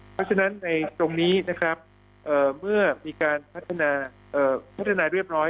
เพราะฉะนั้นในตรงนี้เมื่อมีการพัฒนาเรียบร้อย